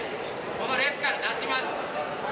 この列から出します。